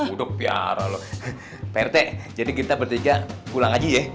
udah piara lo pak rt jadi kita bertiga pulang aja ya